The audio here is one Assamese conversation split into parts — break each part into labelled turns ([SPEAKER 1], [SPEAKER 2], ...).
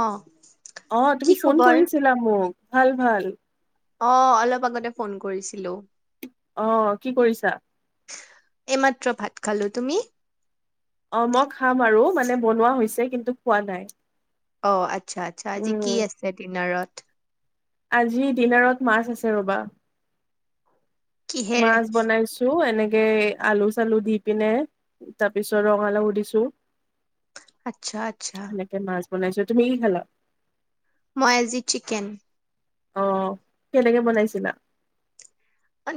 [SPEAKER 1] অ
[SPEAKER 2] অ
[SPEAKER 1] কি
[SPEAKER 2] তুমি ফোন
[SPEAKER 1] খবৰ
[SPEAKER 2] কৰিছিলা মোক ভাল ভাল
[SPEAKER 1] অ অলপ আগতে ফোন কৰিছিলো
[SPEAKER 2] অ কি কৰিছা
[SPEAKER 1] এইমাত্ৰ ভাত খালো তুমি
[SPEAKER 2] অ মই খাম আৰু মানে বনোৱা হৈছে কিন্তু খোৱা নাই
[SPEAKER 1] অ আট আচ্ছা আচ্ছা আজি কি
[SPEAKER 2] উম,
[SPEAKER 1] আছিলে ডিনাৰত
[SPEAKER 2] আজি ডিনাৰত মাছ আছে ৰবা
[SPEAKER 1] কিহেৰে
[SPEAKER 2] মাছ বনাইছো এনেকে কে আলু চালু দি পিনে তাৰ পিছত ৰঙালাও দিছো
[SPEAKER 1] আচ্ছা আচ্ছা
[SPEAKER 2] সেনেকে মাছ বনাইছো তুমি কি খালা
[SPEAKER 1] মই আজি চিকেন
[SPEAKER 2] আহ কেনেকে বনাইছিলা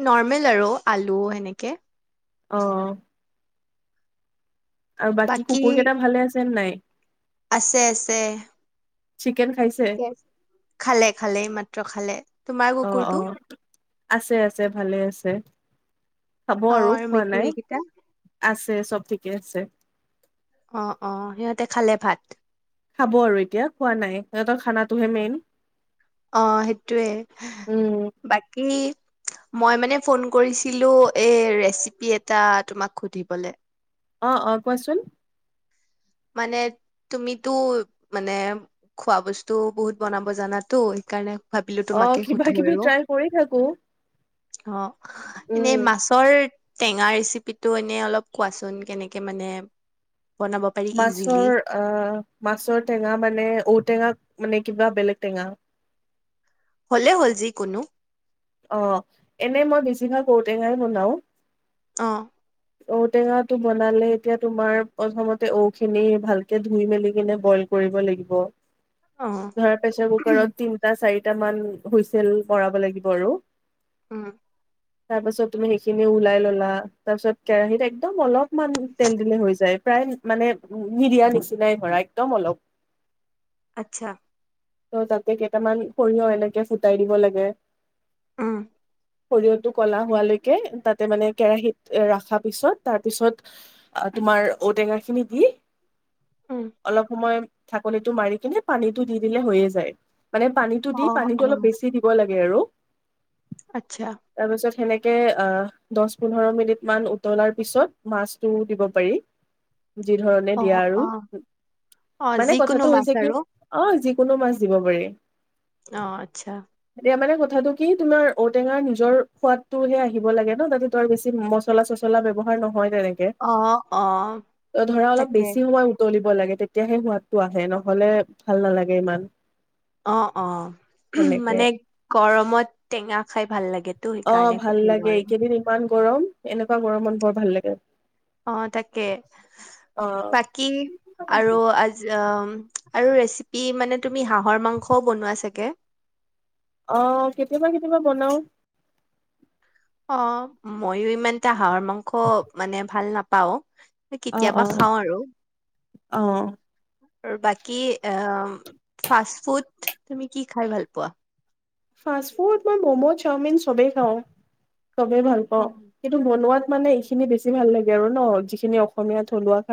[SPEAKER 1] নৰ্মেল আৰু আলু সেনেকে
[SPEAKER 2] আহ আৰু বাকী কুকুৰ কেইটা ভালে আছে চেন্নাই
[SPEAKER 1] আছে আছে
[SPEAKER 2] চিকেন খাইছে?
[SPEAKER 1] ঠিকে আ খালে খালে এই মাত্ৰ খালে তোমাৰ
[SPEAKER 2] অ',
[SPEAKER 1] কুকুৰটো
[SPEAKER 2] অ', আছে আছে ভালে আছে খাব
[SPEAKER 1] অ
[SPEAKER 2] আৰু খোৱা
[SPEAKER 1] মেকুৰী
[SPEAKER 2] নাই
[SPEAKER 1] কেইটা
[SPEAKER 2] আছে চব ঠিকে আছে
[SPEAKER 1] অ অ সিহঁতে খালে ভাত
[SPEAKER 2] খাব আৰু এতিয়া খোৱা নাই সিহঁতৰ খানাটোহে মেইন
[SPEAKER 1] অ সেইটোৱে
[SPEAKER 2] উম
[SPEAKER 1] বাকী মই মানে ফোন কৰিছিলোঁ এই ৰেচিপি এটা তোমাক সুধিবলে
[SPEAKER 2] অ অ কোৱাচোন
[SPEAKER 1] মানে তুমিতো মানে খোৱা বস্তু বহুত বনাব জানাতো সেইকাৰণে ভাবিলো
[SPEAKER 2] অ
[SPEAKER 1] তোমাকে
[SPEAKER 2] কিবা
[SPEAKER 1] সুধো
[SPEAKER 2] কিবি
[SPEAKER 1] আৰু
[SPEAKER 2] ট্ৰাই কৰি থাকো
[SPEAKER 1] অ এনেই
[SPEAKER 2] উম
[SPEAKER 1] মাছৰ টেঙা ৰেচিপি টো এনে অলপ কোৱাচোন কেনেকে মানে বনাব পাৰি ইজিলি
[SPEAKER 2] মাছৰ আহ মাছৰ টেঙা মানে ঔটেঙা মানে কিবা বেলেগ টেঙা
[SPEAKER 1] হলে হল যি কোনো
[SPEAKER 2] অ এনেই মই বেছিভাগ ঔটেঙাই বনাও
[SPEAKER 1] অ
[SPEAKER 2] ঔটেঙাটো বনালে এতিয়া তোমাৰ প্ৰথমতে ঔ খিনি ভালকে ধুই মেলি কিনে বইল কৰিব লাগিব
[SPEAKER 1] অ
[SPEAKER 2] ঘৰ প্ৰেছৰ কুকৰ ততিনিটা চাই কেইটামান হুইচেল কৰাব লাগিব বৰ
[SPEAKER 1] উম
[SPEAKER 2] তাৰপিছত তুমি সেইখিনি ওলাই ললা তাৰপিছত কেৰাহীত একদম অলপ অমান তেল দিলে হৈ যায় প্ৰায় মানে মিৰিিয়া নিচিনাই ধৰা একদম অলপ
[SPEAKER 1] আচ্ছা
[SPEAKER 2] ত তাতে কেইটামান সৰিয়হ এনেকে ফুটাই দিব লাগে
[SPEAKER 1] অ
[SPEAKER 2] সৰিয়হটো ক'লা হোৱালৈকে তাতে মানে কেৰাহীত ৰখাৰ পিছত তাৰ পিছত তোমাৰ ঔটেঙা খিনি দি
[SPEAKER 1] উম
[SPEAKER 2] অলপ সময় থাকলিটো মাৰি কিনে পানীটো দি দিলে হৈয়ে যায় মানে পানীটো
[SPEAKER 1] অ
[SPEAKER 2] দি
[SPEAKER 1] অ
[SPEAKER 2] পানীটো অলপ বেছি দিব লাগে আৰু
[SPEAKER 1] আচ্ছা
[SPEAKER 2] তাৰপিছত সেনেকে আহ দহ পোন্ধৰ মিনিট মান উতলাৰ পিছত মাছটো দিব পাৰি যি ধৰণে
[SPEAKER 1] অ
[SPEAKER 2] দিয়া আৰু
[SPEAKER 1] অ অ
[SPEAKER 2] মানে
[SPEAKER 1] যিকোনো
[SPEAKER 2] কথাটো
[SPEAKER 1] মাছ
[SPEAKER 2] হৈছে
[SPEAKER 1] আৰু
[SPEAKER 2] কি অ যি কোনো মাছ দিব পাৰি
[SPEAKER 1] অ আচ্ছা
[SPEAKER 2] এ মানে কথাাতটো কি তোমাৰ ঔটেঙাৰ নিজৰ সোৱাদতো হে আহিব লাগে ন তাতে তাৰ বেছি মছলা চচলা ব্য্ৱহাৰ নহয় হয় তেনেকে
[SPEAKER 1] অ অ
[SPEAKER 2] ধৰা অলপ
[SPEAKER 1] তাকে
[SPEAKER 2] বেছি সময় উতলিব লাগে তেতিয়াহে সোৱাদটো আহে নহলে ভাল নালাগে ইমান
[SPEAKER 1] অ অ
[SPEAKER 2] সেনেকে
[SPEAKER 1] মানে কৰ মত টেঙা খাই ভাল লাগে
[SPEAKER 2] অ ভাল লাগে এইকেইদিন ইমান গৰম এনেকুৱা গৰমত বৰ ভাল লাগে
[SPEAKER 1] অ তাকে
[SPEAKER 2] অ
[SPEAKER 1] বাকী আৰু আজ আৰু ৰেচিপি মানে তুমি হাঁাহৰ মাংসও বনোৱা চাগে
[SPEAKER 2] অ কেতিয়াবা কেতিয়াবা বনাও
[SPEAKER 1] অ ময়ো ইমানটা হাহৰ মাংস মানে ভাল নাপাও
[SPEAKER 2] অ
[SPEAKER 1] কেতিয়াবা
[SPEAKER 2] অ
[SPEAKER 1] খাও আৰু
[SPEAKER 2] অ
[SPEAKER 1] আৰু বাকী আহ ফাষ্ট ফুড তুমি কি খাই ভাল পোৱা
[SPEAKER 2] ফাষ্টফুড মই ম'মো চাওমিন চবেই খাওঁ চবে ভাল পাওঁ কিন্তু বনোৱাত মানে এইখিনি বেছি ভাল লাগে আৰু ন যিখিনি অসমীয়াত থলুৱাত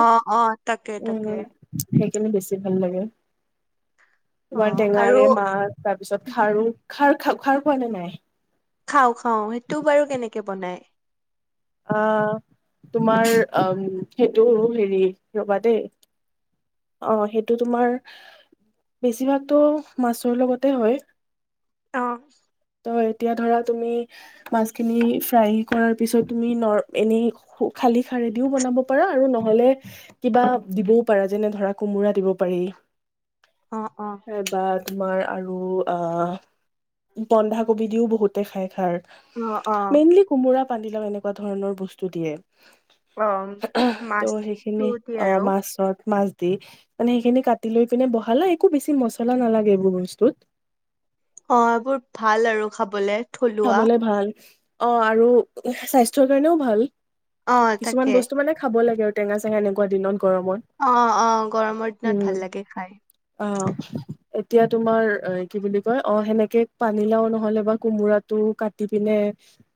[SPEAKER 1] অ অ তাকে তাকে।
[SPEAKER 2] কেনে বেছি ভাল লাগে? তোমাৰ
[SPEAKER 1] অ', আৰু
[SPEAKER 2] টেঙাৰে মাছ তাৰপিছত খাৰু খাৰ খাৰ পোৱা নে নাই।
[SPEAKER 1] খাওঁ খা অ সেইটো বাৰু কেনেকে বনায়।
[SPEAKER 2] আহ তোমাৰ অ সেইটো হেৰি ৰবা দেই অ সেইটো তোমাৰ বেছিভাগতো মাছৰ লগতে হয়।
[SPEAKER 1] অহ
[SPEAKER 2] ত এতিয়া ধৰা তুমি মাছ খিনি ফ্ৰাই কৰাৰ পিছত তুমি ন এনে খালি খাৰেদিও বনাব পাৰা আৰু নহলে কিবা দিবও পাৰা। যেনে ধৰা কোমোৰা দিব পাৰি।
[SPEAKER 1] অ', অ',
[SPEAKER 2] এইবাৰ তোমাৰ আৰু আ বন্ধাকবি দিওঁ বহুতে খাই খাৰ
[SPEAKER 1] অ', অ',
[SPEAKER 2] মেইনলি কোমোৰা পানলাও এনেকুৱা ধৰণৰ বস্তু দিয়ে
[SPEAKER 1] অ
[SPEAKER 2] ত' সেইখিনি
[SPEAKER 1] মাছটোতি
[SPEAKER 2] অ
[SPEAKER 1] আৰু
[SPEAKER 2] মাছত মাছ দি মানে সেইখিনি কাটি লৈ পিনে বহালে একো বেছি মছলা নালাগে এইবোৰ বস্তুত
[SPEAKER 1] অ এইবোৰ ভাল আৰু খাবলে থলুৱা
[SPEAKER 2] খাবলৈ ভাল। অ আৰু স্বাস্থ্যৰ কাৰণেও ভাল।
[SPEAKER 1] অ
[SPEAKER 2] কিছুমান
[SPEAKER 1] তাকে
[SPEAKER 2] বস্তু মানে খাব লাগে আৰু টেঙা চেঙা এনেুৱা দিনত। গৰমত
[SPEAKER 1] অ অ গৰমৰ দিনত
[SPEAKER 2] উম
[SPEAKER 1] ভাল লাগে খাই
[SPEAKER 2] অ এতিয়া তোমাৰ কি বুলি কয় অ সেনেকে পানীলাও নহলে বা কোমোৰাত টো কাটি পিনে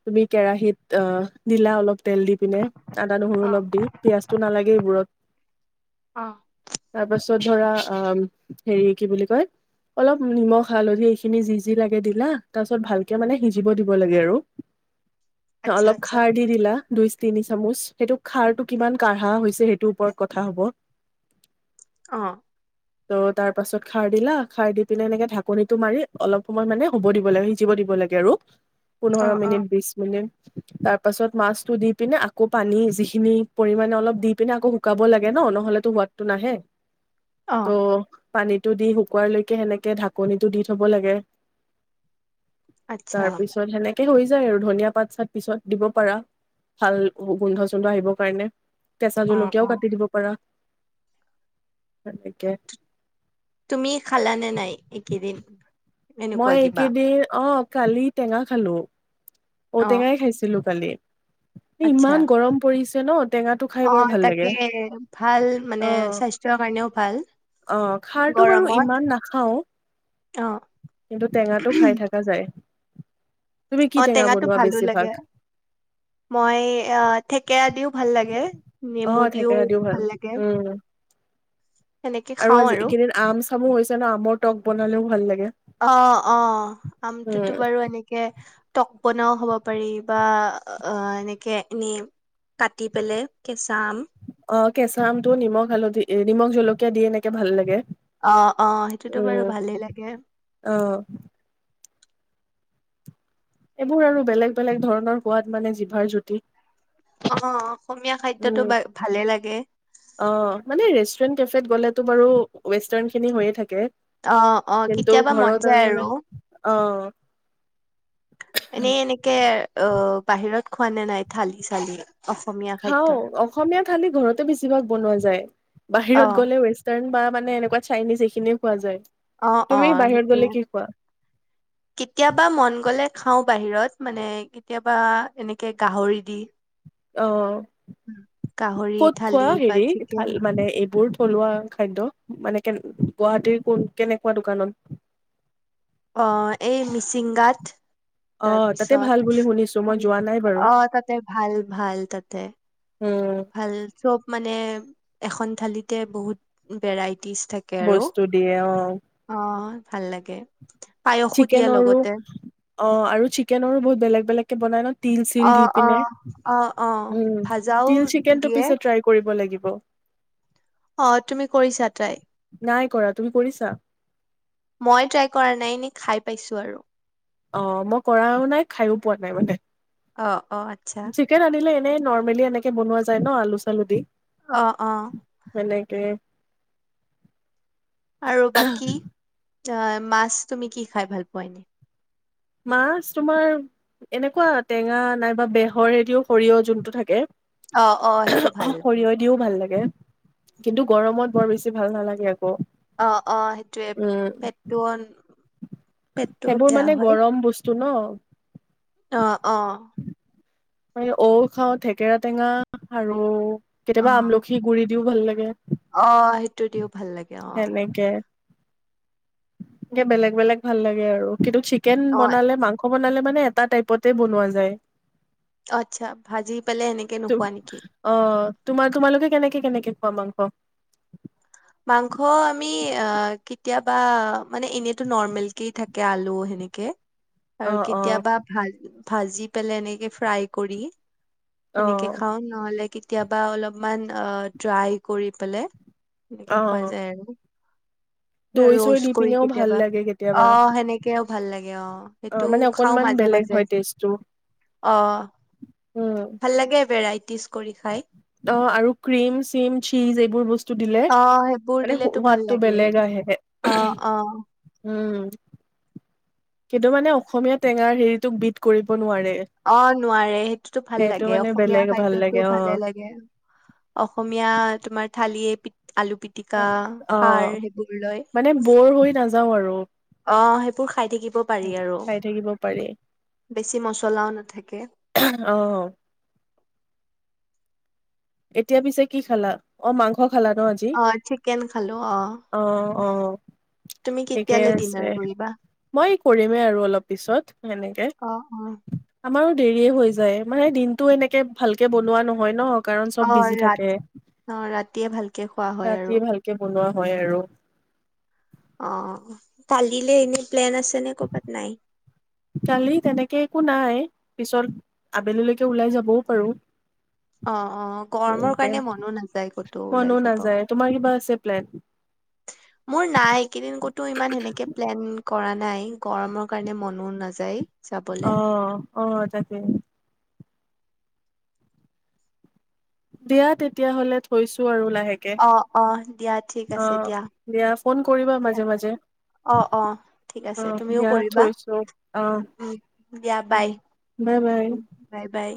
[SPEAKER 2] তুমি কেৰাহিত অ দিলা অলপ তেল দি পিনে আদা নহৰু
[SPEAKER 1] অ
[SPEAKER 2] অলপ দি পিয়ঁয়াজটো নালাগে এইবোৰত
[SPEAKER 1] অ
[SPEAKER 2] তাৰপাছ ছত ধৰা অ হেৰি কি বুলি কয় অলপ নিমখ হালধি এইখিনি যি যি লাগে দিলা তাৰপিছত ভাল মানে সিজিব দিব লাগে আৰু
[SPEAKER 1] আচ্ছা
[SPEAKER 2] অলপ
[SPEAKER 1] আচ্ছা
[SPEAKER 2] খাৰ দি দিলা দুই তিনি চামুচ সেইটো খাৰটো কিমান কাঢ়া হৈছে সেইটোৰ ওপৰত কথা হব
[SPEAKER 1] অ
[SPEAKER 2] ত তাৰ পাছত খাৰ দিলা খাৰ দি পিনে এনেকে ঢাকনটো মাৰি অলপ সময় মানে হ'ব দিব লাগে সিজিব দিব লব লাগে আৰু
[SPEAKER 1] অ
[SPEAKER 2] পোন্ধৰ
[SPEAKER 1] অ
[SPEAKER 2] মিনিট বিশ মিনিট তাৰ পাছত মাছতটো দি পিনে আকৌ পানী যিখিনি পৰিমণে অলপ দি পিনে আকৌ শুকাব লাগে ন নহলেতো সোৱাদটো নাহে
[SPEAKER 1] অ
[SPEAKER 2] ত পানীটো দি শুকুৱ লৈকে সেনেকে ঢাকনিটো দি থব লাগে
[SPEAKER 1] আচ্ছা
[SPEAKER 2] তাৰ পিছত সেনেকে তাকে হৈ যায় আৰু ধনিয়া পাত চাত পিছত দিব পাৰা ভাল গোন্ধ চোন্ধ আহিবৰ কাৰণে কেঁচা
[SPEAKER 1] অ অ
[SPEAKER 2] জলকীয়াও কাটি দিব পাৰা সকে
[SPEAKER 1] তুমি খালা নে নাই একেইদিন
[SPEAKER 2] মই এইকেইদিন অ কালি টেঙা খালো
[SPEAKER 1] অ
[SPEAKER 2] ঔটেঙাই খাইছিলো কালি ইমান গৰম পৰিছে ন টেঙাটো খাই বৰ
[SPEAKER 1] আহ
[SPEAKER 2] ভাল লাগে
[SPEAKER 1] তাকে ভাল
[SPEAKER 2] অ
[SPEAKER 1] মানে স্বাস্থ্যৰ কাৰণেও ভাল
[SPEAKER 2] অ খাৰটো বাৰু ইমান
[SPEAKER 1] গৰমত অ
[SPEAKER 2] ন্ত টেঙাটো খাই থকা যায় তুমি কি
[SPEAKER 1] অ
[SPEAKER 2] টেঙা
[SPEAKER 1] টেঙাটো
[SPEAKER 2] বনোৱা
[SPEAKER 1] ভালো
[SPEAKER 2] বেছিভাগ?
[SPEAKER 1] লাগে মই অ থেকেৰা দিও ভাল লাগে
[SPEAKER 2] আহ থেকেৰা দিও ভাল উম
[SPEAKER 1] সেনেকে
[SPEAKER 2] আৰু
[SPEAKER 1] খাওঁ
[SPEAKER 2] আজি কেইদিন আম চামু হৈছে ন আমৰ টক বনালেও ভাল লাগে
[SPEAKER 1] অ', অ', আমটোতো
[SPEAKER 2] উম
[SPEAKER 1] বাৰু এনেকে টক বনাও হ'ব পাৰি বা অ এনেকে এনে কাটি পেললে কেচ
[SPEAKER 2] অ কেঁচা আমটো নিমখ হালধি এ নিমখ জলকীয়া দি এনেকে ভাল লাগে
[SPEAKER 1] অ অ সেইটোতো
[SPEAKER 2] উম,
[SPEAKER 1] বাৰু ভালেই লাগে
[SPEAKER 2] অ', এইবোৰ আৰু বেলেগ বেলেগ ধৰণৰ সোৱাদ মানে জিভাৰ জুতি
[SPEAKER 1] অ অসমীয়া খাদ্যটো
[SPEAKER 2] উম,
[SPEAKER 1] ভালে লাগে
[SPEAKER 2] অ', মানে ৰেষ্টুৰেন্ট কেফেত গ'লেতো বাৰু ৱেষ্টাৰ্ণ খিনি হৈয়ে থাকে
[SPEAKER 1] অ অ
[SPEAKER 2] কিন্তু
[SPEAKER 1] কেতিয়াবা মন
[SPEAKER 2] ঘৰত
[SPEAKER 1] যায়
[SPEAKER 2] মানে
[SPEAKER 1] আৰু
[SPEAKER 2] অ'।
[SPEAKER 1] এনেই এনেকে অ বাহিৰত খুৱানে নাই থালি চালি অসমীয়া
[SPEAKER 2] খাও
[SPEAKER 1] খাদ্যৰ
[SPEAKER 2] অসমীয়া থালি ঘৰতে বেছিভাগ বনোৱা যায় বাহিৰত
[SPEAKER 1] অ',
[SPEAKER 2] গ'লে ৱেষ্টাৰণ বা মানে এনেকুৱা চাইনিজ এইখিনিয়ে খোৱা যায়
[SPEAKER 1] অ অ
[SPEAKER 2] তুমি বাহিৰত গ'লে
[SPEAKER 1] সেইটোয়ে
[SPEAKER 2] কি খোৱা?
[SPEAKER 1] কেতিয়াবা মন গলে খাও বাহিৰত মানে কেতিয়াবা এনেকে গাহৰি দি
[SPEAKER 2] অ
[SPEAKER 1] উম, গাহৰি
[SPEAKER 2] কত
[SPEAKER 1] থালি
[SPEAKER 2] খোৱা
[SPEAKER 1] বা
[SPEAKER 2] হেৰি
[SPEAKER 1] চিকেন
[SPEAKER 2] ভাল মানে এইবোৰ থলুৱা খাদ্য মানে কে গুৱাহাটীৰ কোন কেনেকুৱা দোকানত
[SPEAKER 1] অ এই মিচিংগাত
[SPEAKER 2] অ' তাতে
[SPEAKER 1] তাৰপিছত
[SPEAKER 2] ভাল বুলি শুনিছো
[SPEAKER 1] উ
[SPEAKER 2] মই যোৱা নাই বাৰু।
[SPEAKER 1] অ তাতে ভাল ভাল তাতে
[SPEAKER 2] উম,
[SPEAKER 1] ভাল চব মানে এখন থালিতে বহুত বেৰাইট তিশ থাকে আৰু
[SPEAKER 2] বস্তু দিয়ে অ'
[SPEAKER 1] অ ভাল লাগে পায়সো দিয়ে
[SPEAKER 2] চিকেনৰো
[SPEAKER 1] লগতে
[SPEAKER 2] অ আৰু চিকেনৰো বহুত বেলেগ বেলেগ কে বনাই ন তিল চিল
[SPEAKER 1] অ
[SPEAKER 2] দি
[SPEAKER 1] অ
[SPEAKER 2] পিনে
[SPEAKER 1] অ অ
[SPEAKER 2] উম
[SPEAKER 1] ভাজাও
[SPEAKER 2] তিল চিকেন টো
[SPEAKER 1] দিয়ে
[SPEAKER 2] পিছে ট্ৰাই কৰিব লাগিব অ
[SPEAKER 1] অ তুমি কৰিছা ট্ৰাই
[SPEAKER 2] নাই কৰা তুমি কৰিছা
[SPEAKER 1] মই ট্ৰাই কৰা নাই নে খাই পাইছোঁ আৰু
[SPEAKER 2] অ মই কৰাও নাই খাইো পোৱা নাই মানে
[SPEAKER 1] অ অ আচ্ছা
[SPEAKER 2] মানে নৰ্মেলি এনেকে বনোৱা যায় ন আলু চালু দি
[SPEAKER 1] অ অ
[SPEAKER 2] কে
[SPEAKER 1] আৰু বাকী অ মাছ তুমি কি খাই ভাল পোৱা ইনে
[SPEAKER 2] মাছ তোমাৰ এনেকুৱা টেঙা নাইবা বেহৰ এদিও সৰিয়হ যোনটো থাকে
[SPEAKER 1] সেইটো ভাল
[SPEAKER 2] অ
[SPEAKER 1] লাগে।
[SPEAKER 2] সৰিয়হ দিও ভাল লাগে কিন্তু গৰমত বৰ বেছি ভাল নালাগে আকৌ
[SPEAKER 1] অ অ সেইটোয়ে
[SPEAKER 2] উম
[SPEAKER 1] পেটটো পেটটো
[SPEAKER 2] সেইবোৰ
[SPEAKER 1] বেয়া
[SPEAKER 2] মানে
[SPEAKER 1] হয়
[SPEAKER 2] গৰম বস্তু ন
[SPEAKER 1] অ অ
[SPEAKER 2] মে ঔ খাও থেকেৰা টেঙা আৰু কেতিয়াবা
[SPEAKER 1] অ',
[SPEAKER 2] আমলখি গুৰি দিও ভাল লাগে
[SPEAKER 1] অ সেইটো দিও ভাল লাগে অ
[SPEAKER 2] একে বেলেগ বেলেগ ভাল লাগে আৰু। কিন্তু চিকেন
[SPEAKER 1] অ',
[SPEAKER 2] বনালে মাংস বনালে মানে এটা টাইপতে বনোৱা যায়।
[SPEAKER 1] অহ আচ্ছা ভাজি পেলে এনেকে নোখোৱা নেকি?
[SPEAKER 2] অ', তোমাৰ তোমালোকে কেনেকে কেনেকে খোৱা মাংস।
[SPEAKER 1] মাংস আমি কেতিয়াবা মানে এনেতো নৰ্মেল কে থাকে আলু সেনেকে আৰু
[SPEAKER 2] অ', অ',
[SPEAKER 1] কেতিয়াবা ভাল ভাজি পেলাই এনেকে ফ্ৰাই কৰি তেনেকে
[SPEAKER 2] অ',
[SPEAKER 1] খাও নহ'লে কি কেতিয়াবা অলপমান ড্ৰাই কৰি পেলেই সেনেকে খোৱা
[SPEAKER 2] অ',
[SPEAKER 1] যায় আৰু
[SPEAKER 2] দৈ চৈ
[SPEAKER 1] ৰ'ষ্ট
[SPEAKER 2] দি
[SPEAKER 1] কৰি
[SPEAKER 2] পিনেও ভাল
[SPEAKER 1] কেতিয়াবা।
[SPEAKER 2] লাগে কেতিয়াবা
[SPEAKER 1] অ' সেনেকেও ভাল লাগে অ সেইটো
[SPEAKER 2] অ', মানে
[SPEAKER 1] খাও
[SPEAKER 2] অকনমান
[SPEAKER 1] মাজে
[SPEAKER 2] বেলেগ
[SPEAKER 1] মাজে
[SPEAKER 2] হয় টেষ্টটো।
[SPEAKER 1] অ
[SPEAKER 2] উম,
[SPEAKER 1] ভাল লাগে ভেৰাই
[SPEAKER 2] অ আৰু ক্ৰ্ৰীম চিম চীজ এইবোৰ বস্তু দিলে
[SPEAKER 1] অ সেইবোৰ
[SPEAKER 2] মানে
[SPEAKER 1] দিলেতো ভাল
[SPEAKER 2] সোৱাদটো
[SPEAKER 1] লাগে
[SPEAKER 2] বেলেগ আহে।
[SPEAKER 1] অ অ
[SPEAKER 2] অ কিন্তু মানে অসমীয়া টেঙাৰ হেৰিটোক বিধ কৰিব নোৱাৰে।
[SPEAKER 1] অ নোৱাৰে সেইটোতো ভাল
[SPEAKER 2] সেইটো
[SPEAKER 1] লাগে
[SPEAKER 2] মানে
[SPEAKER 1] অসমীয়া
[SPEAKER 2] বেলেগ ভাল
[SPEAKER 1] খাদ্যয়তো
[SPEAKER 2] লাগে
[SPEAKER 1] ভালে
[SPEAKER 2] অ',
[SPEAKER 1] লাগে অসমীয়া তোমাৰ থালিয় তি আলু পিতিকা খাৰ সেইবোৰ লয়
[SPEAKER 2] যাওঁ আৰু
[SPEAKER 1] আহ সেইবোৰ খাই থাকিব পাৰি আৰু
[SPEAKER 2] খাই থাকিব পাৰি
[SPEAKER 1] বেছি মচলাও নাথাকে
[SPEAKER 2] অ', এতিয়া পিছে কি খালা অ মাংস খালা ন আজি?
[SPEAKER 1] অ চিকেন খালো অ
[SPEAKER 2] অ', অ
[SPEAKER 1] তুমি
[SPEAKER 2] ঠিকে
[SPEAKER 1] কেতিয়ালে
[SPEAKER 2] আছে
[SPEAKER 1] ডিনাৰ কৰিবা?
[SPEAKER 2] মই কৰিমেই আৰু অলপ পিছত সেনেকে
[SPEAKER 1] অ' অ'
[SPEAKER 2] আমাৰো দেৰিয় হৈ যায় মানে দিনতটো এনেকে ভালকে বনোৱা নহয় ন কাৰণ
[SPEAKER 1] অ
[SPEAKER 2] চব বিজি
[SPEAKER 1] ৰাতি
[SPEAKER 2] থাকে
[SPEAKER 1] অ ৰাতিয়ে ভালকে খোৱা হয়
[SPEAKER 2] ৰাতি
[SPEAKER 1] আৰু
[SPEAKER 2] ভালকে বনোৱা হয় আৰু।
[SPEAKER 1] অ পালিলে এনে প্লেন আছে নে কৰ'বাত নাই
[SPEAKER 2] কালি তেনেকে একো নাই পিছত আবেলিলৈকে ওলাই যাবও পাৰো
[SPEAKER 1] অ অ গৰমৰ
[SPEAKER 2] এনেকে
[SPEAKER 1] কাৰণে মনো নাযায় কতো
[SPEAKER 2] মনো
[SPEAKER 1] ওলাই যাব
[SPEAKER 2] নাযায় তোমাৰ কিবা আছে প্লেন
[SPEAKER 1] মোৰ নাই একেইদিন কতো ইমান সেনেকে প্লেন কৰা নাই নাই গৰমৰ কাৰণে মনো নাযায় যাবলে
[SPEAKER 2] আহ আহ তাকে দিয়া তেতিয়া হলে থৈছো আৰু লাহ
[SPEAKER 1] অ অ দিয়া ঠিক আছে দিয়া
[SPEAKER 2] ফোন কৰিবা
[SPEAKER 1] দিয়া
[SPEAKER 2] মাজে মাজে
[SPEAKER 1] অ অ ঠিক
[SPEAKER 2] অ
[SPEAKER 1] আছে তুমিও
[SPEAKER 2] দিয়া
[SPEAKER 1] কৰিবা
[SPEAKER 2] থৈছো অ
[SPEAKER 1] উ দিয়া bye
[SPEAKER 2] bye bye
[SPEAKER 1] bye bye